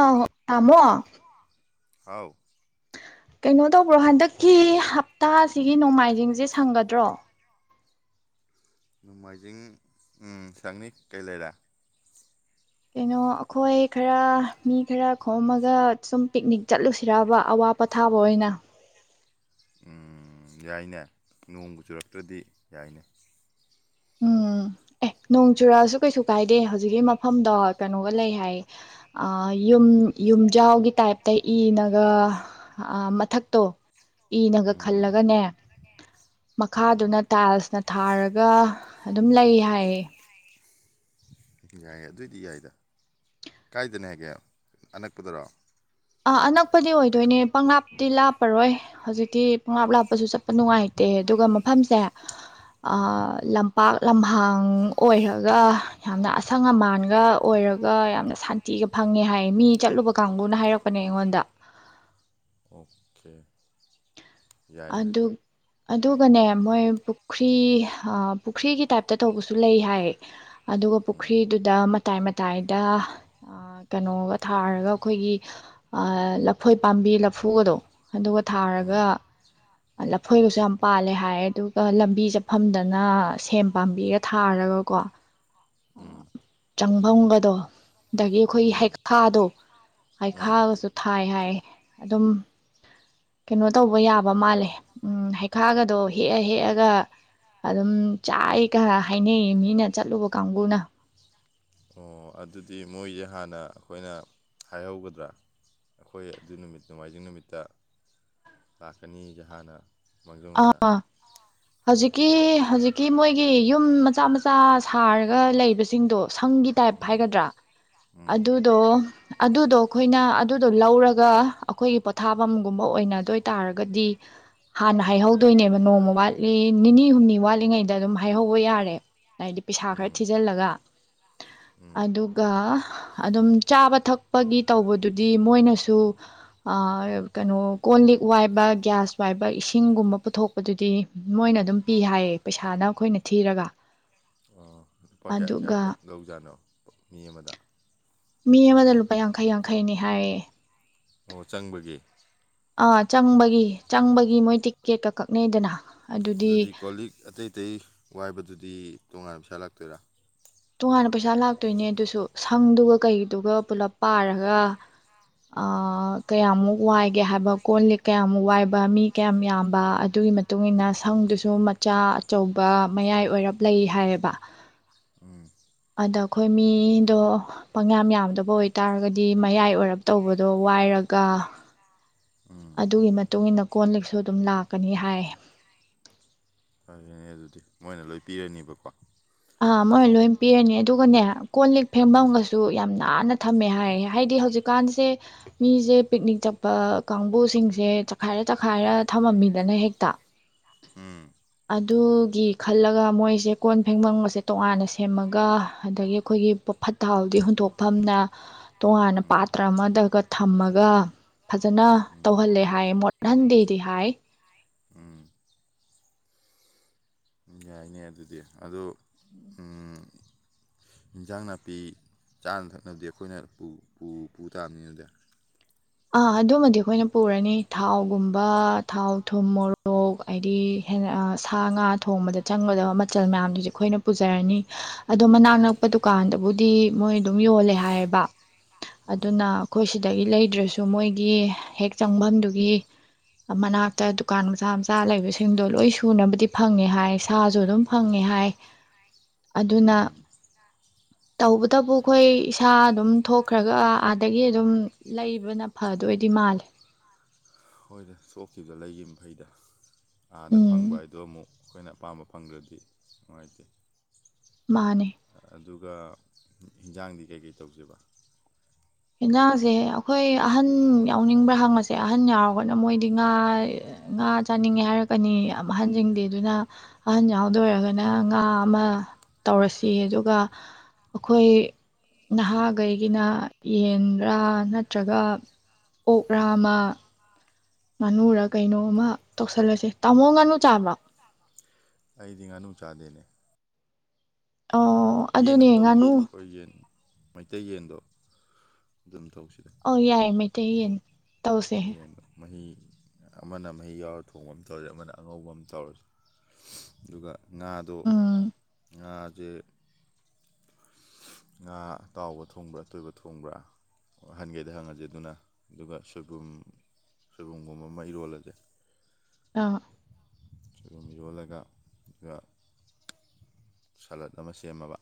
ꯑꯧ ꯇꯥꯃꯣ ꯍꯥꯎ ꯀꯩꯅꯣ ꯇꯧꯕ꯭ꯔꯣ ꯍꯟꯗꯛꯀꯤ ꯍꯞꯇꯥꯁꯤꯒꯤ ꯅꯣꯡꯃꯥꯏꯖꯤꯡꯁꯦ ꯁꯪꯒꯗ꯭ꯔꯣ꯫ ꯅꯣꯡꯃꯥꯏꯖꯤꯡ ꯎꯝ ꯁꯪꯅꯤ ꯀꯩ ꯂꯩꯔꯦ꯫ ꯀꯩꯅꯣ ꯑꯈꯣꯏ ꯈꯔ ꯃꯤ ꯈꯔ ꯈꯣꯝꯃꯒ ꯁꯨꯝ ꯄꯤꯛꯅꯤꯛ ꯆꯠꯂꯨꯁꯤꯔꯥꯕ ꯑꯋꯥ ꯄꯊꯥꯕ ꯑꯣꯏꯅ꯫ ꯑꯝ ꯌꯥꯏꯅꯦ ꯅꯣꯡꯃ ꯆꯨꯔꯛꯇ꯭ꯔꯗꯤ ꯌꯥꯏꯅꯦ꯫ ꯎꯝ ꯑꯦ ꯅꯣꯡ ꯆꯨꯔꯛꯑꯁꯨ ꯀꯩꯁꯨ ꯀꯥꯏꯗꯦ ꯍꯧꯖꯤꯛꯀꯤ ꯃꯐꯝꯗꯣ ꯀꯩꯅꯣꯒ ꯂꯩ ꯍꯥꯏ ꯌꯨꯝ ꯌꯨꯝꯖꯥꯎꯒꯤ ꯇꯥꯏꯞꯇ ꯏꯅꯒ ꯃꯊꯛꯇꯣ ꯏꯅꯒ ꯎꯝ ꯎꯝ ꯈꯜꯂꯒꯅꯦ ꯎꯝ ꯃꯈꯥꯗꯨꯅ ꯇꯥꯏꯜꯁꯅ ꯊꯥꯔꯒ ꯑꯗꯨꯝ ꯂꯩ ꯍꯥꯏꯌꯦ ꯌꯥꯏꯌꯦ ꯑꯗꯨꯑꯣꯏꯗꯤ ꯌꯥꯏꯗ ꯀꯥꯏꯗꯅꯦ ꯍꯥꯏꯒꯦ ꯑꯅꯛꯄꯗꯔꯣ꯫ ꯑꯥ ꯑꯅꯛꯄꯗꯤ ꯑꯣꯏꯗꯣꯏꯅꯦ ꯄꯪꯪꯂꯥꯞꯇꯤ ꯂꯥꯞꯄꯔꯣꯏ ꯍꯧꯖꯤꯛꯇꯤ ꯄꯪꯪꯂꯥꯞ ꯂꯥꯞꯄꯁꯨ ꯆꯠꯄ ꯅꯨꯡꯉꯥꯏꯇꯦ ꯑꯗꯨꯒ ꯃꯐꯝꯁꯦ ꯑ ꯎꯝ ꯂꯝꯄꯥꯛ ꯂꯝꯍ ꯍꯥꯡ ꯑꯣꯏꯔꯒ ꯌꯥꯝꯅ ꯑꯁꯪ ꯑꯃꯥꯟꯒ ꯑꯣꯏꯔꯒ ꯌꯥꯝꯅ ꯁꯥꯟꯇꯤꯒ ꯐꯪꯉꯦ ꯍꯥꯏ ꯃꯤ ꯆꯠꯂꯨꯕ ꯀꯥꯡꯕꯨꯅ ꯍꯥꯏꯔꯛ ꯄꯅꯦ ꯑꯩꯉꯣꯟꯗ ꯑꯣꯀꯦ ꯌꯥꯏ-ꯌꯥꯏ ꯑꯗꯨ ꯑꯗꯨꯒꯅꯦ ꯃꯣꯏ ꯄꯨꯈ꯭ꯔꯤ ꯑꯥ ꯄꯨꯈ꯭ꯔꯤꯒꯤ ꯇꯥꯏꯞꯇ ꯇꯧꯕꯁꯨ ꯂꯩ ꯍꯥꯏ꯫ ꯑꯗꯨꯒ ꯎꯝ ꯄꯨꯈ꯭ꯔꯤꯗꯨꯗ ꯃ ꯇꯥꯏ ꯃꯇꯥꯏꯗ ꯀꯩꯅꯣꯒ ꯊꯥꯔꯒ ꯑꯩꯈꯣꯏꯒꯤ ꯂꯐꯣꯏ ꯄꯥꯝꯕꯤ ꯂꯐꯨꯒꯗꯣ ꯑꯗꯨꯒ ꯊꯥꯔꯒ ꯎꯝ ꯂꯐꯣꯏꯒꯁꯨ ꯌꯥꯝ ꯄꯥꯜꯂꯦ ꯍꯥꯏ ꯑꯗꯨꯒ ꯂꯝꯕꯤ ꯆꯠꯐꯝꯗꯅ ꯁꯦꯝ ꯄꯥꯝꯕꯤꯒ ꯊꯥꯔꯒꯀꯣ ꯎꯝ ꯆꯪꯐꯝꯒꯗꯣ ꯗꯒꯤ ꯑꯩꯈꯣꯏꯒꯤ ꯎꯝ ꯍꯩꯈꯥꯗꯣ ꯎꯝ ꯍꯩꯈꯥꯒꯁꯨ ꯊꯥꯏ ꯍꯥꯏ꯫ ꯑꯗꯨꯝ ꯀꯩꯅꯣ ꯇꯧꯕ ꯌꯥ ꯕ ꯃꯥꯜꯂꯦ ꯎꯝ ꯍꯩꯈꯥꯒꯗꯣ ꯍꯦꯛꯑ ꯍꯦꯛꯑꯒ ꯑꯗꯨꯝ ꯆꯥꯏ ꯈꯔ ꯍꯥꯏꯅꯩꯌꯦ ꯃꯤꯅ ꯆꯠꯂꯨꯕ ꯀꯥꯡꯕꯨꯅ꯫ ꯑꯣ ꯑꯗꯨꯗꯤ ꯃꯣꯏꯁꯦ ꯍꯥꯟꯅ ꯑꯩꯈꯣꯏꯅ ꯍꯥꯏꯍꯧꯒꯗ꯭ꯔꯥ ꯑꯩꯈꯣꯏ ꯑꯗꯨ ꯅꯨꯃꯤꯠ ꯅꯣꯡꯃꯥꯏꯖꯤꯡ ꯅꯨꯃꯤꯠꯇ ꯂꯥꯛꯀꯅꯤꯁꯦ ꯍꯥꯟꯅ꯫ ꯑ ꯃꯥꯡꯖꯧꯅꯅ ꯍꯧꯖꯤꯛ ꯀꯤ ꯍꯧꯖꯤꯛꯀꯤ ꯃꯣꯏꯒꯤ ꯌꯨꯝ ꯃꯆꯥ ꯃꯆꯥ ꯁꯥꯔꯒ ꯂꯩꯕꯁꯤꯡꯗꯣ ꯁꯪꯒꯤ ꯇꯥꯏꯞ ꯎꯝ ꯍꯥꯏꯒꯗ꯭ꯔꯥ ꯎꯝ ꯑꯗꯨꯗꯣ ꯑꯗꯨꯗꯣ ꯑꯩꯈꯣꯏꯅ ꯑꯗꯨꯗꯣ ꯂꯧꯔꯒ ꯑꯈꯣꯏꯒꯤ ꯄꯣꯊꯥꯐꯝꯒꯨꯝꯕ ꯑꯣꯏꯅꯗꯣꯏ ꯇꯥꯔꯒꯗꯤ ꯍꯥꯟꯅ ꯍꯥꯏꯍꯧꯗꯣꯏꯅꯦꯕ ꯅꯣꯡꯃ ꯋꯥꯠꯂꯤ ꯅꯤꯅꯤ ꯍꯨꯝꯅꯤ ꯋꯥꯠꯂꯤꯉꯩꯗ ꯑꯗꯨꯝ ꯍꯥꯏꯍꯧꯕ ꯌꯥꯔꯦ꯫ ꯍꯥꯏꯗꯤ ꯄꯩꯁꯥ ꯈꯔ ꯎꯝ ꯊꯤꯖꯤꯜꯂꯒ ꯎꯝ ꯑꯗꯨꯒ ꯑꯗꯨꯝ ꯆꯥꯕ ꯊꯛꯄꯒꯤ ꯇꯧꯕꯗꯨꯗꯤ ꯃꯣꯏꯅꯁꯨ ꯀꯩꯅꯣ ꯀꯣꯟ ꯂꯤꯛ ꯋꯥꯏꯕ ꯒ꯭ꯌꯥꯁ ꯋꯥꯏꯕ ꯏꯁꯤ ꯏꯁꯤꯡꯒꯨꯝꯕ ꯄꯨꯊꯣꯛꯄꯗꯨꯗꯤ ꯃꯣꯏꯅ ꯑꯗꯨꯝ ꯄꯤ ꯍꯥꯏꯌꯦ ꯄꯩꯁꯥꯅ ꯑꯩꯈꯣꯏꯅ ꯊꯤꯔꯒ꯫ ꯂꯨꯄꯥ ꯀꯌꯥ ꯀꯌꯥ ꯑꯗꯨꯒ ꯂꯧꯖꯥꯠꯅꯣ ꯃꯤ ꯑꯃꯗ꯫ ꯃꯤ ꯑꯃꯗ ꯂꯨꯄꯥ ꯌꯥꯡꯈꯩ ꯌꯥꯡꯈꯩꯅꯦ ꯍꯥꯏꯌꯦ꯫ ꯑꯣ ꯆꯪꯕꯒꯤ꯫ ꯑꯥ ꯆꯪꯕꯒꯤ ꯆꯪꯕꯒꯤ ꯃꯣꯏ ꯇꯤꯛꯀꯦꯠꯀ ꯀꯛꯅꯩꯗꯅ꯫ ꯑꯗꯨꯗꯤ ꯀꯣꯜꯂꯤꯛ ꯑꯇꯩ ꯑꯇꯩ ꯋꯥꯏꯕꯗꯨꯗꯤ ꯇꯣꯉꯥꯟꯅ ꯄꯩꯁꯥ ꯂꯥꯛꯇꯣꯏꯔꯥ꯫ ꯇꯣꯉꯥꯟꯅ ꯄꯩꯁꯥ ꯂꯥꯛꯇꯣꯏꯅꯦ ꯑꯗꯨꯁꯨ ꯁꯪꯗꯨꯒ ꯀꯩꯗꯨꯒ ꯄꯨꯂꯞ ꯄꯥꯔꯒ꯫ ꯑ ꯀꯌꯥꯃꯨꯛ ꯋꯥꯏꯒꯦ ꯍꯥꯏꯕ ꯀꯣꯜꯂꯤꯛ ꯀꯌꯥꯝꯃꯨꯛ ꯋꯥꯏꯕ ꯃꯤ ꯀꯌꯥꯝ ꯌꯥꯝꯕ ꯑꯗꯨꯒꯤ ꯃꯇꯨꯡꯏꯟꯅ ꯎꯝ ꯁꯪꯗꯨꯁꯨ ꯆꯥ ꯑꯆꯧꯕ ꯃꯌꯥꯏ ꯑꯣꯏꯔꯞ ꯂꯩ ꯍꯥꯏꯌꯦꯕ꯫ ꯎꯝ꯫ ꯑꯗ ꯑꯈꯣꯏ ꯃꯤꯗꯣ ꯄꯪꯌꯥꯝ ꯌꯥꯝꯗꯕ ꯑꯣꯏꯇꯥꯔꯒꯗꯤ ꯃꯌꯥꯏ ꯑꯣꯏꯔꯞ ꯇꯧꯕꯗꯣ ꯋꯥꯏꯔꯒ ꯎꯝ ꯑꯗꯨꯒꯤ ꯃꯇꯨꯡ ꯃꯇꯨꯡꯏꯟꯅ ꯀꯣꯟ ꯂꯤꯛꯁꯨ ꯑꯗꯨꯝ ꯂꯥꯛꯀꯅꯤ ꯍꯥꯏ꯫ ꯐꯔꯅꯦ ꯑꯗꯨꯗꯤ ꯃꯣꯏꯅ ꯂꯣꯏ ꯄꯤꯔꯅꯤꯕꯀꯣ꯫ ꯑꯥ ꯃꯣꯏ ꯂꯣꯏ ꯄꯤꯔꯅꯤ ꯑꯗꯨꯒꯅꯦ ꯀꯣꯜ ꯂꯤꯛ ꯎꯝ ꯎꯝ ꯐꯦꯡꯕꯝꯒꯁꯨ ꯌꯥꯝ ꯅꯥꯟꯅ ꯊꯝꯃꯦ ꯍꯥꯏꯌꯦ ꯍꯥꯏꯗꯤ ꯍꯧꯖꯤꯛꯀꯥꯟꯁꯦ ꯃꯤꯁꯦ ꯄꯤꯛꯅꯤꯛ ꯆꯠꯄ ꯀꯥꯡꯕꯨꯁꯤꯡꯁꯦ ꯆꯈꯥꯏꯔ ꯆꯈꯥꯏꯔ ꯊꯝꯃꯝꯃꯤꯗꯅ ꯍꯦꯛꯇ꯫ ꯎꯝ꯫ ꯑꯗꯨꯒꯤ ꯈꯜꯂꯒ ꯃꯣꯏꯁꯦ ꯀꯣꯟ ꯐꯦꯡꯐꯝ ꯁꯦ ꯇꯣꯉꯥꯟꯅ ꯁꯦꯝꯃꯒ ꯑꯗꯒꯤ ꯑꯈꯣꯏꯒꯤ ꯐꯠꯇ ꯍꯥꯎꯗꯤ ꯍꯨꯟꯊꯣꯛꯐꯝꯅ ꯇꯣꯉꯥꯟꯅ ꯎꯝ ꯎꯝ ꯄꯥꯇ꯭ꯔ ꯑꯃꯗꯒ ꯊꯝꯃꯒ ꯐꯖꯅ ꯎꯝ ꯇꯧꯍꯜꯂꯦ ꯍꯥꯏꯌꯦ ꯃꯣꯠ [unintelligible] ꯗꯦꯗꯤ ꯍꯥꯏ꯫ ꯎꯝ ꯌꯥꯏꯅꯦ ꯑꯗꯨꯗꯤ ꯑꯗꯨ ꯎꯝ ꯍꯤꯟꯖꯥꯡ ꯅꯥꯄꯤ ꯆꯥꯅ ꯊꯛꯅꯕꯗꯤ ꯑꯈꯣꯏꯅ ꯄꯨ-ꯄꯨꯇꯥꯕꯅꯤꯅꯦꯗꯨꯗꯤ꯫ ꯑꯥ ꯑꯗꯨꯃꯗꯤ ꯑꯩꯈꯣꯏꯅ ꯄꯨꯔꯅꯤ ꯊꯥꯎꯒꯨꯝꯕ ꯊꯥꯎ ꯊꯨꯝ ꯃꯣꯔꯣꯛ ꯍꯥꯏꯗꯤ ꯁꯥ ꯉꯥ ꯊꯣꯡꯕꯗ ꯆꯪꯒꯗꯕ ꯃꯆꯜ ꯃꯌꯥꯝꯗꯨꯗꯤ ꯑꯩꯈꯣꯏꯅ ꯄꯨꯖꯔꯅꯤ꯫ ꯑꯗꯣ ꯃꯅꯥꯛ ꯅꯛꯄ ꯗꯨꯀꯥꯟꯗꯣ ꯕꯨꯗꯤ ꯃꯣꯏ ꯑꯗꯨꯝ ꯌꯣꯜꯂꯦ ꯍꯥꯏꯌꯦꯕ꯫ ꯎꯝ ꯎꯝ ꯑꯗꯨꯅ ꯑꯩꯈꯣꯏ ꯁꯤ ꯗꯒꯤ ꯂꯩꯗ꯭ꯔꯁꯨ ꯃꯣꯏꯒꯤ ꯍꯦꯛ ꯆꯪꯐꯝꯗꯨꯒꯤ ꯃꯅꯥꯛꯇ ꯗꯨꯀꯥꯟ ꯃꯆꯥ ꯃꯆꯥ ꯂꯩꯕꯁꯤꯡꯗꯣ ꯂꯣꯏ ꯁꯨꯅꯕꯗꯤ ꯐꯪꯉꯦ ꯍꯥꯏ ꯁꯥꯁꯨ ꯑꯗꯨꯝ ꯐꯪꯉꯦ ꯍꯥꯏ꯫ ꯑꯗꯨꯅ꯫ ꯎꯝ ꯇꯧꯕꯇꯕꯨ ꯑꯩꯈꯣꯏ ꯏꯁꯥ ꯑꯗꯨꯝ ꯊꯣꯛꯈ꯭ꯔꯒ ꯑꯥꯗꯒꯤ ꯑꯗꯨꯝ ꯂꯩꯕꯅ ꯐꯗꯣꯏꯗꯤ ꯃꯥꯜꯂꯦ꯫ ꯍꯣꯏꯗ ꯊꯣꯛꯈꯤꯕꯗ ꯂꯩꯒꯤꯝ ꯐꯩꯗ꯫ ꯑꯥꯗ ꯎꯝ ꯐꯪꯕ ꯍꯥꯏꯗꯣ ꯑꯃꯨꯛ ꯑꯈꯣꯏꯅ ꯑꯄꯥꯝꯕ ꯐꯪꯗ꯭ꯔꯗꯤ ꯅꯨꯡꯉꯥꯏꯇꯦ꯫ ꯃꯥꯅꯦ꯫ ꯑꯗꯨꯒ ꯍꯤꯟꯖꯥꯡꯗꯤ ꯀꯩꯀꯩ ꯇꯧꯖꯦꯕ꯫ ꯏꯟꯁꯥꯡꯁꯦ ꯑꯩꯈꯣꯏ ꯑꯍꯟ ꯌꯥꯎꯅꯤꯡꯕ꯭ꯔꯥ ꯍꯪꯉꯁꯦ ꯑꯍꯟ ꯌꯥꯎꯔꯒꯅ ꯃꯣꯏꯗꯤ ꯉꯥ ꯉꯥ ꯆꯥꯅꯤꯡꯉꯦ ꯍꯥꯏꯔꯛꯀꯅꯤ ꯌꯥꯝ ꯑꯍꯟꯁꯤꯡꯗꯤ ꯑꯗꯨꯅ ꯑꯍꯟ ꯌꯥꯎꯗꯣꯏꯔꯒꯅ ꯉꯥ ꯑꯃ ꯇꯧꯔꯁꯤ ꯑꯗꯨꯒ ꯑꯩꯈꯣꯏ ꯅꯍꯥꯒꯩꯒꯤꯅ ꯌꯦꯟꯔꯥ ꯅꯠꯇ꯭ꯔꯒ ꯑꯣꯛꯔꯥ ꯑꯃ ꯉꯥꯅꯨꯔ ꯀꯩꯅꯣꯃ ꯇꯧꯁꯜꯂꯁꯦ ꯇꯥꯃꯣ ꯉꯥꯅꯨ ꯆꯥꯕ꯭ꯔꯣ꯫ ꯑꯩꯗꯤ ꯉꯥꯅꯨ ꯆꯥꯗꯦꯅꯦ꯫ ꯑꯣ ꯌꯦꯟ ꯑꯗꯨꯅꯦ ꯑꯃ ꯇꯧꯁꯤ ꯉꯥꯅꯨ ꯈꯣꯏ ꯌꯦꯟ ꯃꯩꯇꯩ ꯌꯦꯟꯗꯣ ꯑꯗꯨꯝ ꯇꯧꯁꯤꯗ ꯑꯪ ꯌꯥꯏ ꯃꯩꯇꯩ ꯌꯦꯟ ꯇꯧꯁꯦ [unintelligible] ꯃꯍꯤ ꯑꯃꯅ ꯃꯍꯤ ꯌꯥꯎꯔ ꯊꯣꯡꯕ ꯑꯃ ꯇꯧꯔꯁꯦ ꯑꯃꯅ ꯑꯉꯧꯕ ꯑꯃ ꯇꯧꯔꯁꯨ ꯑꯗꯨꯒ ꯉꯥꯗꯣ ꯎꯝ ꯉꯥ [unintelligible] ꯉꯥ ꯑꯇꯥꯎꯕ ꯊꯣꯡꯕ꯭ꯔꯥ ꯑꯇꯣꯏꯕ ꯊꯣꯡꯕ꯭ꯔꯥ ꯑꯍꯟꯒꯩꯗ ꯍꯪꯉꯁꯦ ꯑꯗꯨꯅ ꯑꯗꯨꯒ ꯁꯣꯏꯕꯨꯝ ꯁꯣꯏꯕꯨꯝꯒꯨꯝꯕ ꯑꯃ ꯏꯔꯣꯜꯂꯁꯦ ꯑꯥ ꯁꯣꯏꯕꯨꯝ ꯏꯔꯣꯜꯂꯒ ꯑꯗꯨꯒ ꯁꯂꯠ ꯑꯃ ꯁꯦꯝꯃꯕ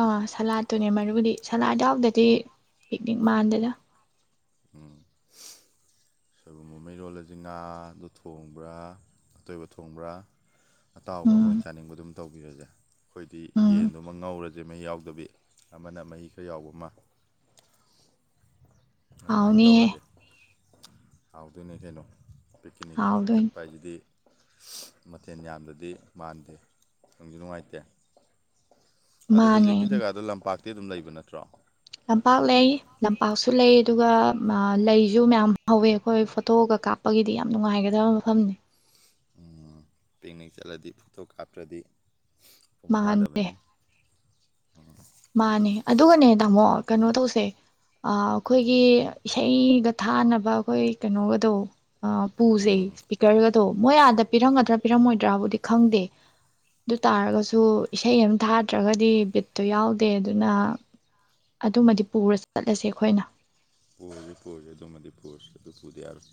ꯑꯥ ꯁꯂꯥꯠꯇꯨꯅꯦ ꯃꯔꯨꯗꯤ ꯁꯂꯥꯠ ꯌꯥꯎꯗꯗꯤ ꯄꯤꯛꯅꯤꯛ ꯃꯥꯟꯗꯦꯗ ꯎꯝ ꯁꯣꯏꯕꯨꯝ ꯑꯃ ꯏꯔꯣꯜꯂꯁꯤ ꯉꯥꯗꯨ ꯊꯣꯡꯕ꯭ꯔꯥ ꯑꯇꯣꯏꯕ ꯊꯣꯡꯕ꯭ꯔꯥ ꯑꯇꯥꯎꯕ꯭ꯔꯥ ꯎꯝ ꯃꯣꯏ ꯆꯥꯅꯤꯡꯕ ꯑꯗꯨꯝ ꯇꯧꯕꯤꯔꯁꯦ ꯑꯩꯈꯣꯏꯗꯤ ꯎꯝ ꯌꯦꯟꯗꯨꯃ ꯉꯧꯔꯁꯦ ꯃꯍꯤ ꯌꯥꯎꯗꯕꯤ ꯑꯃꯅ ꯃꯍꯤ ꯈꯔ ꯌꯥꯎꯕ ꯑꯃ ꯑꯗꯨꯃꯥꯏꯅ ꯍꯥꯎꯅꯤꯍꯦ ꯇꯧꯔꯁꯦ ꯍꯥꯎꯗꯨꯏꯅꯦ ꯀꯩꯅꯣ ꯄꯤꯛꯅꯤꯛ ꯍꯥꯎꯗꯣꯏꯅꯤ ꯆꯠꯄ ꯍꯥꯏꯁꯤꯗꯤ ꯃꯊꯦꯜ ꯌꯥꯝꯗꯗꯤ ꯃꯥꯟꯗꯦ ꯅꯨꯡꯁꯨ ꯅꯨꯡꯉꯥꯏꯇꯦ ꯑꯗꯨ ꯃꯥꯅꯦ ꯍꯧꯖꯤꯛꯀꯤ ꯖꯒꯥꯗꯣ ꯂꯝꯄꯥꯛ ꯇꯤ ꯑꯗꯨꯝ ꯂꯩꯕ ꯅꯠꯇ꯭ꯔꯣ ꯂꯝꯄꯥꯛ ꯂꯩ ꯂꯝꯄꯥꯛꯁꯨ ꯂꯩ ꯑꯗꯨꯒ ꯂꯩꯁꯨ ꯃꯌꯥꯝ ꯍꯧꯋꯦ ꯑꯩꯈꯣꯏ ꯐꯣꯇꯣꯒ ꯀꯥꯞꯄꯒꯤꯗꯤ ꯌꯥꯝ ꯅꯨꯡꯉꯥꯏꯒꯗꯕ ꯃꯐꯝꯅꯤ ꯎꯝ ꯄꯤꯅꯤꯛ ꯆꯠꯂꯗꯤ ꯐꯣꯇꯣ ꯀꯥꯞꯇ꯭ꯔꯗꯤ ꯃꯄꯨꯡ ꯃꯥꯟꯗꯦ ꯐꯗꯕꯅꯤꯅꯦ ꯎꯝ ꯃꯥꯅꯦ ꯑꯗꯨꯒꯅꯦ ꯇꯥꯃꯣ ꯀꯩꯅꯣ ꯇꯧꯁꯦ ꯑꯥ ꯑꯩꯈꯣꯏꯒꯤ ꯏꯁꯩꯒ ꯊꯥꯅꯕ ꯑꯩꯈꯣꯏ ꯀꯩꯅꯣꯗꯣ ꯑꯥ ꯄꯨꯖꯦ ꯎꯝ ꯏꯁꯄꯤꯀꯔꯒ ꯑꯗꯣ ꯃꯣꯏ ꯑꯥꯗ ꯄꯤꯔꯝꯒꯗ꯭ꯔꯥ ꯄꯤꯔꯝꯃꯣꯏꯗ꯭ꯔꯥꯕꯨꯗꯤ ꯈꯪꯗꯦ ꯑꯗꯨ ꯇꯥꯔꯒꯁꯨ ꯏꯁꯩ ꯑꯃ ꯊꯥꯗ꯭ꯔꯒꯗꯤ ꯕꯤꯠꯇꯣ ꯌꯥꯎꯗꯦ ꯗꯦ ꯑꯗꯨꯅ ꯑꯗꯨꯃꯗꯤ ꯄꯨꯔ ꯆꯠꯂꯁꯦ ꯑꯩꯈꯣꯏꯅ ꯄꯨꯔꯁꯤ ꯄꯨꯁꯤ ꯑꯗꯨꯝꯃꯗꯤ ꯄꯨꯔꯁꯤ ꯑꯗꯨ ꯄꯨꯗ ꯌꯥꯔꯣꯏ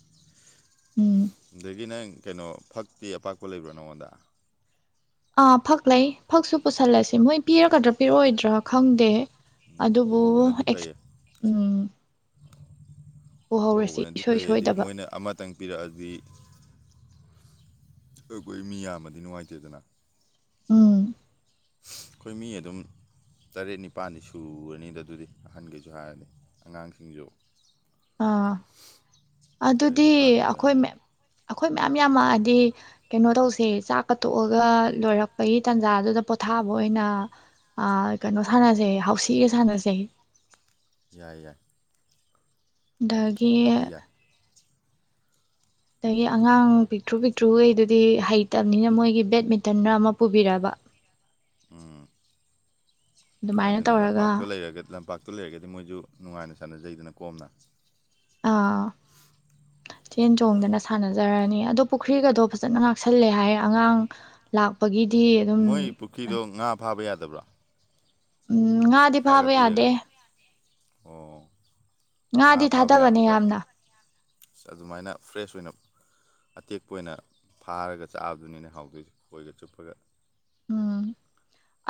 ꯎꯝ ꯑꯗꯒꯤꯅꯪ ꯀꯩꯅꯣ ꯐꯛ ꯇꯤ ꯑꯄꯥꯛꯄ ꯂꯩꯕ꯭ꯔꯥ ꯅꯉꯣꯟꯗ ꯑꯥ ꯐꯛ ꯂꯩ ꯐꯛꯁꯨ ꯄꯨꯁꯤꯜꯂꯁꯤ ꯃꯣꯏ ꯄꯤꯔꯒꯗ꯭ꯔꯥ ꯄꯤꯔꯛꯑꯣꯏꯗ꯭ꯔꯥ ꯈꯪꯗꯦ ꯎꯝ ꯑꯗꯨꯕꯨ ꯄꯨꯍꯧꯕꯅꯗꯤ ꯑꯦꯁ ꯐꯩꯌꯦ ꯎꯝ ꯄꯨꯍꯧꯔꯁꯤ ꯄꯨꯍꯧꯕꯅꯗꯤ ꯏꯁꯣꯏ ꯐꯩ ꯍꯥꯏꯗꯤ ꯁꯣꯏꯗꯕ ꯃꯣꯏꯅ ꯑꯃꯇꯪ ꯄꯤꯔꯛꯑꯗꯤ ꯑꯩꯈꯣꯇ ꯑꯩꯈꯣꯏ ꯃꯤ ꯌꯥꯝꯄꯗꯤ ꯅꯨꯡꯉꯥꯏꯇꯦꯗꯅ ꯎꯝ ꯑꯩꯈꯣꯏ ꯃꯤ ꯑꯗꯨꯝ ꯇꯔꯦꯠ ꯅꯤꯄꯥꯜꯗꯤ ꯁꯨꯔꯅꯤꯗ ꯑꯗꯨꯗꯤ ꯑꯍꯟꯈꯩꯁꯨ ꯍꯥꯏꯔꯅꯤ ꯑꯉꯥꯡꯁꯤꯡꯁꯨ ꯑꯥ ꯇꯔꯦꯠ ꯑꯗꯨꯗꯤ ꯅꯤꯄꯥꯜꯃꯨꯛꯇꯤ ꯑꯩꯈꯣꯏ ꯑꯣꯏꯅꯤ ꯑꯩꯈꯣꯏ ꯃꯌꯥꯝ ꯌꯥꯝꯃꯛꯑꯗꯤ ꯀꯩꯅꯣ ꯇꯧꯁꯦ ꯆꯥꯛꯀ ꯇꯣꯛꯑꯒ ꯂꯣꯏꯔꯛꯄꯒꯤ ꯇꯥꯟꯖꯥꯗꯨꯗ ꯄꯣꯊꯥꯕ ꯑꯣꯏꯅ ꯀꯩꯅꯣ ꯁꯥꯟꯅꯁꯦ ꯍꯥꯎꯁꯤꯒ ꯁꯥꯟꯅꯁꯦ ꯌꯥꯏ ꯌꯥꯏ ꯗꯒꯤ ꯑꯗꯨ ꯌꯥꯏ ꯑꯗꯒꯤ ꯑꯉꯥꯡ ꯄꯤꯛꯇ꯭ꯔꯨ ꯄꯤꯛꯇ꯭ꯔꯨꯈꯩꯗꯨꯗꯤ ꯍꯩꯇꯕꯅꯤꯅ ꯃꯣꯏꯒꯤ ꯕꯦꯠꯃꯤꯟꯇꯟ ꯔ ꯑꯃ ꯄꯨꯕꯤꯔꯛꯕ ꯎꯝ ꯑꯗꯨꯃꯥꯏꯅ ꯑꯗꯨꯅꯦ ꯂꯝꯄꯥꯛꯇꯣ ꯇꯧꯔꯒ ꯂꯩꯔꯒ ꯂꯝꯄꯥꯛꯇ ꯄꯨꯟꯅ ꯂꯩꯔꯒꯗꯤ ꯃꯣꯏꯁꯨ ꯅꯨꯡꯉꯥꯏꯅ ꯁꯥꯟꯅꯖꯩꯗꯅ ꯀꯣꯝꯅ ꯑꯥ ꯆꯦꯟ ꯆꯣꯡꯗꯅ ꯁꯥꯟꯅꯖꯔꯅꯤ ꯑꯗꯣ ꯄꯨꯈ꯭ꯔꯤꯒꯗꯣ ꯐꯖꯅ ꯉꯥꯛꯁꯜꯂꯦ ꯍꯥꯏꯔꯦ ꯑꯉꯥꯡ ꯂꯥꯛꯄꯒꯤ ꯃꯣꯏ ꯄꯨꯈ꯭ꯔꯤꯗꯣ ꯉꯥ ꯐꯥꯕ ꯌꯥꯗ ꯇꯕ꯭ꯔꯥ ꯎꯝ ꯉꯥꯗꯤ ꯐꯥꯕ ꯌꯥꯗꯦ ꯑꯣ ꯉꯥꯗꯤ ꯉꯥ ꯐꯥꯕ ꯊꯥꯗꯕꯅꯤ ꯌꯥꯕꯒ ꯌꯥꯝꯅ ꯑꯁ ꯑꯗꯨꯃꯥꯏꯅ ꯐ꯭ꯔꯦꯁ ꯑꯣꯏꯅ ꯑꯇꯦꯛꯄ ꯑꯣꯏꯅ ꯐꯥꯔꯒ ꯆꯥꯛꯕꯗꯨꯅꯤꯅꯦ ꯍꯥꯎꯗꯣꯏꯁꯦ ꯈꯣꯏꯒ ꯆꯨꯞꯄꯒ ꯎꯝ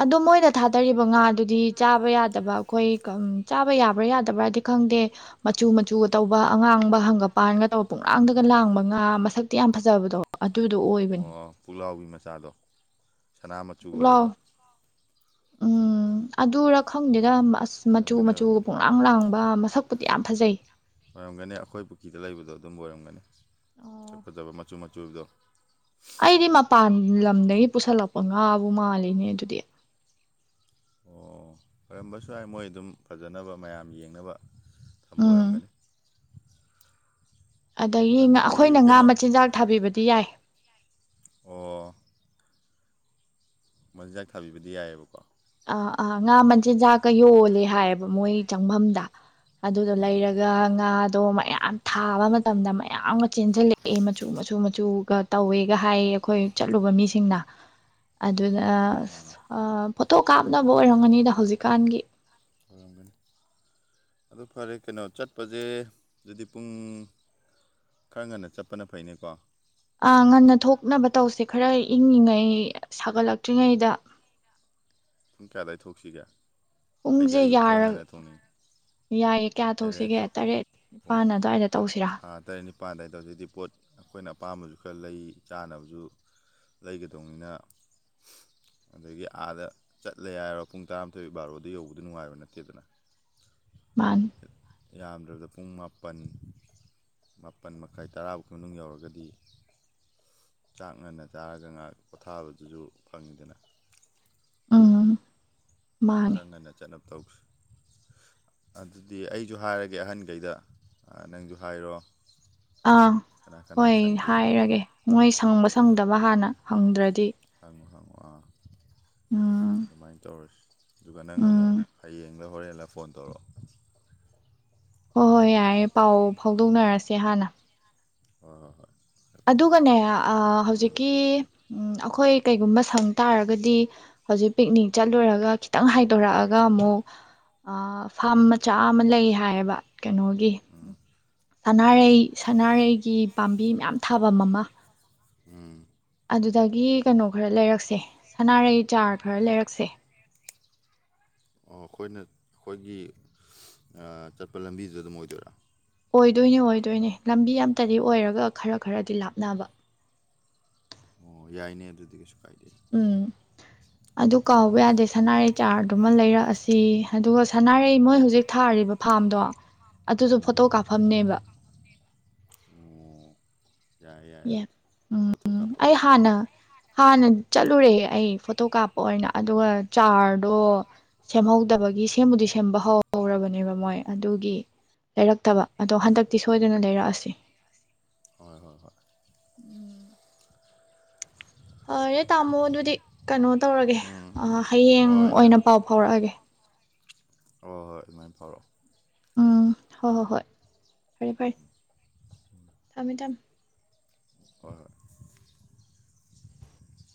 ꯑꯗꯣ ꯃꯣꯏꯅ ꯊꯥꯗꯔꯤꯕ ꯉꯥꯗꯨꯗꯤ ꯆꯥꯕ ꯌꯥꯗꯕ ꯑꯩꯈꯣꯏ ꯆꯥꯕ ꯌꯥꯕ꯭ꯔꯥ ꯌꯥꯗꯕ꯭ꯔꯗꯤ ꯈꯪꯗꯦ ꯃꯆꯨ ꯃꯆꯨꯒ ꯇꯧꯕ ꯑꯉꯥꯡꯕ ꯍꯪꯒꯄꯥꯟꯒ ꯇꯧꯕ ꯄꯨꯡ ꯂꯥꯡꯗꯒ ꯂꯥꯡꯕ ꯉꯥ ꯃꯁꯛꯇꯤ ꯌꯥꯝ ꯐꯖꯕꯗꯣ ꯑꯗꯨꯗꯣ ꯑꯣꯏꯕꯅꯤ ꯑꯣ ꯄꯨꯂꯥꯎꯕꯤ ꯃꯆꯥꯗꯣ ꯁꯅꯥ ꯃꯆꯨ ꯄꯨꯛꯂꯥꯎ ꯑꯣꯏꯕꯗꯣ ꯎꯝ ꯑꯗꯨꯔ ꯑꯗꯨ ꯈꯪꯗꯦꯗ ꯑꯣꯏꯔꯝꯒꯅꯤ ꯑꯁ ꯃꯆꯨ ꯃꯆꯨꯒ ꯑꯣꯏꯔꯝꯒꯅꯤ ꯑꯣꯏꯔꯝꯒꯅꯤ ꯄꯣꯡꯂꯥꯡ ꯂꯥꯡꯕ ꯃꯁꯛꯄꯨꯗꯤ ꯌꯥꯝ ꯐꯖꯩ ꯑꯣꯏꯔꯝꯒꯅꯤ ꯑꯩꯈꯣꯏ ꯄꯨꯈ꯭ꯔꯤꯗ ꯂꯩꯕꯗꯣ ꯑꯗꯨꯝꯕ ꯑꯣꯏꯔꯝꯒꯅꯤ ꯑꯣ ꯐꯖꯕ ꯃꯆꯨ ꯃꯆꯨꯗꯣ ꯑꯩꯗꯤ ꯃꯄꯥꯟ ꯂꯝꯗꯒꯤ ꯄꯨꯁꯜꯂꯛꯄ ꯉꯥꯕꯨ ꯃꯥꯜꯂꯤꯅꯦ ꯑꯗꯨꯗꯤ ꯑꯣ ꯑꯣꯏꯔꯝꯕꯁꯨ ꯍꯥꯏ ꯃꯣꯏ ꯑꯗꯨꯝ ꯐꯖꯅꯕ ꯃꯌꯥꯝ ꯌꯦꯡꯅꯕ ꯊꯝꯕ ꯎꯝ ꯑꯣꯏꯔꯝꯒꯅꯤ ꯑꯗꯒꯤ ꯑꯩꯈꯣꯏꯅ ꯑꯗꯨꯗꯤ ꯉꯥ ꯀꯩꯅꯣ ꯃꯆꯤꯟꯖꯥꯛ ꯊꯥꯕꯤꯕꯗꯤ ꯌꯥꯏ ꯑꯣ ꯃꯆꯤꯟꯖꯥꯛ ꯊꯥꯕꯤꯕꯗꯤ ꯌꯥꯏꯑꯕꯀꯣ ꯉꯥ ꯃꯆꯤꯟꯖꯥꯛꯀ ꯌꯣꯜꯂꯦ ꯍꯥꯏꯌꯦꯕ ꯃꯣꯏ ꯆꯪꯐꯝꯗ ꯑꯗꯨꯗ ꯎꯝ ꯂꯩꯔꯒ ꯉꯥꯗꯣ ꯃꯌꯥꯝ ꯊꯥꯕ ꯃꯇꯝꯗ ꯃꯌꯥꯝꯒ ꯆꯦꯟꯁꯤꯜꯂꯛꯑꯦ ꯃꯆꯨ ꯃꯆꯨ ꯃꯆꯨꯒ ꯇꯧꯋꯦꯒ ꯍꯥꯏꯌꯦ ꯑꯩꯈꯣꯏ ꯆꯠꯂꯨꯕ ꯃꯤꯁꯤꯡꯅ ꯑꯗꯨꯅ ꯐꯣꯇꯣ ꯀꯥꯞꯅꯕ ꯑꯣꯏꯔꯝꯒꯅꯤꯗ ꯍꯧꯖꯤꯛꯀꯥꯟꯒꯤ ꯑꯣꯏꯔꯝꯒꯅꯤ ꯑꯗꯨ ꯐꯔꯦ ꯀꯩꯅꯣ ꯆꯠꯄꯁꯦ ꯑꯗꯨꯗꯤ ꯄꯨꯡ ꯈꯔ ꯉꯟꯅ ꯆꯠꯄꯅ ꯐꯩꯅꯦꯀꯣ ꯑꯥ ꯉꯟꯅ ꯊꯣꯛꯅꯕ ꯇꯧꯁꯦ ꯈꯔ ꯏꯪꯉꯤꯉꯩ ꯁꯥꯒꯠꯂꯛꯇ꯭ꯔꯤꯉꯩꯗ ꯄꯨ ꯀꯌꯥꯗꯥꯏ ꯊꯣꯛꯁꯤꯒꯦ ꯑꯩꯗꯤ ꯄꯨꯡꯁꯦ ꯑꯌꯨꯛ ꯈꯔ ꯌꯥꯔ ꯉꯟꯅ ꯊꯣꯡꯅꯤꯡꯉꯤ ꯌꯥꯏꯌꯦ ꯀꯌꯥ ꯑꯦꯔꯦꯟꯖ ꯇꯧꯁꯤꯒꯦ ꯇꯣ ꯇꯔꯦꯠ ꯄꯨꯡ ꯅꯤꯄꯥꯜ ꯑꯗꯨꯋꯥꯏꯗ ꯇꯧꯁꯤꯔꯥ ꯇꯔꯦꯠ ꯅꯤꯄꯥꯜ ꯑꯗꯨꯋꯥꯏꯗꯧ ꯍꯧꯖꯤꯛꯗꯤ ꯄꯣꯠ ꯑꯩꯈꯣꯏꯅ ꯑꯄꯥꯝꯕꯁꯨ ꯈꯔ ꯂꯩ ꯆꯥꯅꯕꯁꯨ ꯂꯩꯒꯗꯧꯅꯤꯅ ꯑꯗꯒꯤ ꯑꯥꯗ ꯆꯠꯂꯦ ꯍꯥꯏꯔꯣ ꯄꯨꯡ ꯇꯔꯥꯃꯥꯊꯣꯏ ꯕꯥꯔꯣꯗ ꯌꯧꯕꯗ ꯅꯨꯡꯉꯥꯏꯕ ꯅꯠꯇꯦꯗꯅ ꯃꯥꯅꯤ ꯌꯥꯝꯗ꯭ꯔꯕꯗ ꯄꯨꯡ ꯃꯥꯄꯜ ꯃꯥꯄꯜ ꯃꯈꯥꯏ ꯇꯔꯥꯐꯥꯎ ꯀꯤ ꯃꯅꯨꯡ ꯌꯧꯔꯒꯗꯤ ꯆꯥꯛ ꯉꯟꯅ ꯆꯥꯔꯒ ꯉꯥꯏꯍꯥꯛ ꯄꯣꯊꯥꯕꯗꯨꯁꯨ ꯐꯪꯉꯤꯗꯅ ꯎꯝ ꯃꯥꯅꯤ ꯈꯔ ꯉꯟꯅ ꯆꯠꯅꯕ ꯇꯧꯁꯤ ꯑꯗꯨꯗꯤ ꯑꯩꯁꯨ ꯍꯥꯏꯔꯒꯦ ꯑꯍꯟꯈꯩꯗ ꯅꯪꯁꯨ ꯍꯥꯏꯔꯣ ꯑꯥ ꯀꯅꯥ ꯀꯅꯥ ꯍꯣꯏ ꯁꯪꯒꯦꯗꯣ ꯍꯥꯏꯔꯒꯦ ꯃꯣꯏ ꯁꯪꯕ ꯑꯗꯨꯒ ꯁꯪꯗꯕ ꯍꯥꯟꯅ ꯍꯪꯗ꯭ꯔꯗꯤ ꯍꯪꯉꯣ ꯍꯡꯉꯣ ꯑꯥ ꯎꯝ ꯑꯗꯨꯃꯥꯏꯅ ꯇꯧꯔꯁꯤ꯫ ꯑꯗꯨꯒ ꯅꯪ ꯑꯃꯨꯛ ꯎꯝ ꯍꯌꯦꯡꯂ ꯍꯣꯔꯦꯟ ꯐꯣꯟ ꯇꯧꯔꯛꯑꯣ꯫ ꯍꯣꯏ ꯍꯣꯏ ꯌꯥꯔꯦ ꯄꯥꯎ ꯐꯥꯎꯗꯣꯛꯅꯔꯁꯦ ꯍꯥꯟꯅ꯫ ꯍꯣꯏ ꯍꯣꯏ ꯍꯣꯏ꯫ ꯑꯗꯨꯒꯅꯦ ꯑ ꯎꯝ ꯍꯧꯖꯤꯛꯀꯤ ꯑꯩꯈꯣꯏ ꯀꯩꯒꯨꯝꯕ ꯁꯪ ꯇꯥꯔꯒꯗꯤ ꯍꯧꯖꯤꯛ ꯄꯤꯛꯅꯤꯛ ꯆꯠꯂꯨꯔꯒ ꯈꯤꯇꯪ ꯍꯥꯏꯗꯣꯔꯛꯑꯒ ꯑꯃꯨꯛ ꯐꯥꯝ ꯃꯆꯥ ꯑꯃ ꯂꯩ ꯍꯥꯏꯌꯦꯕ ꯀꯩꯅꯣꯒꯤ ꯎꯝ ꯁꯅꯥꯔꯩ ꯁꯅꯥꯔꯩꯒꯤ ꯄꯥꯝꯕꯤ ꯃꯌꯥꯝ ꯊꯥꯐꯝ ꯑꯃ ꯎꯝ꯫ ꯑꯗꯨꯗꯒꯤ ꯀꯩꯅꯣ ꯈꯔ ꯂꯩꯔꯛꯁꯦ ꯁꯅꯥꯔꯩ ꯆꯥꯔ ꯈꯔ ꯂꯩꯔꯛꯁꯦ ꯑꯣ ꯑꯩꯈꯣꯏꯅ ꯑꯩꯈꯣꯏꯒꯤ ꯑꯥ ꯆꯠꯄ ꯂꯝꯕꯤꯗꯨꯗ ꯑꯗꯨꯝ ꯑꯣꯏꯗꯣꯏꯔ꯫ ꯑꯣꯏꯗꯣꯏꯅꯦ ꯑꯣꯏꯗꯣꯏꯅꯦ ꯂꯝꯕꯤ ꯑꯝꯇꯗꯤ ꯑꯣꯏꯔꯒ ꯈꯔ ꯈꯔꯗꯤ ꯂꯥꯞꯅꯕ ꯑꯣ ꯌꯥꯏꯅꯦ ꯑꯗꯨꯗꯤ ꯀꯩꯁꯨ ꯀꯥꯏꯗꯦ ꯎꯝ ꯑꯗꯨ ꯀꯥꯎꯕ ꯌꯥꯗꯦ ꯁꯅꯥꯔꯩ ꯆꯥꯔꯗꯨꯃ ꯂꯩꯔꯛꯑꯁꯤ ꯑꯗꯨꯒ ꯁꯅꯥꯔꯩ ꯃꯣꯏ ꯍꯧꯖꯤꯛ ꯊꯥꯔꯤꯕ ꯐꯥꯝꯗꯣ ꯑꯗꯨꯁꯨ ꯐꯣꯇꯣ ꯎꯝ ꯀꯥꯞꯐꯝꯅꯦꯕ ꯑꯣ ꯌꯥꯏ ꯌꯥꯏ ꯑꯦ ꯑꯗꯨꯗꯤ ꯐꯣꯇꯣ ꯎꯝ ꯀꯥꯞꯄ ꯑꯩ ꯌꯥꯔꯦ ꯍꯥꯟꯅ ꯍꯥꯟꯅ ꯆꯠꯂꯨꯔꯦ ꯑꯩ ꯐꯣꯇꯣ ꯀꯥꯞꯄ ꯑꯣꯏꯅ ꯑꯗꯨꯒ ꯆꯥꯔꯗꯣ ꯁꯦꯝꯍꯧꯗꯕꯒꯤ ꯁꯦꯝꯕꯨꯗꯤ ꯁꯦꯝꯕ ꯍꯧ ꯍꯧꯔꯕꯅꯦꯕ ꯃꯣꯏ ꯑꯗꯨꯒꯤ ꯂꯩꯔꯛꯇꯕ ꯑꯗꯣ ꯍꯟꯗꯛꯇꯤ ꯁꯣꯏꯗꯅ ꯂꯩꯔꯛꯑꯁꯤ꯫ ꯍꯣꯏ ꯍꯣꯏ ꯍꯣꯏ꯫ ꯎꯝ꯫ ꯐꯔꯦ ꯇꯥꯃꯣ ꯑꯗꯨꯗꯤ ꯀꯩꯅꯣ ꯇꯧꯔꯒꯦ ꯎꯝ ꯍꯌꯦꯡ ꯍꯣꯏ ꯑꯣꯏꯅ ꯄꯥꯎ ꯐꯥꯎꯔꯛꯑꯒꯦ꯫ ꯍꯣꯢ ꯍꯣꯏ ꯑꯗꯨꯃꯥꯏꯅ ꯐꯥꯎꯔꯛꯑꯣ ꯎꯝ ꯍꯣ ꯍꯣ ꯍꯣꯏ ꯐꯔꯦ ꯐꯔꯦ ꯊꯝꯃꯦ ꯊꯝꯃꯦ꯫ ꯍꯣꯏ ꯍꯣꯏ꯫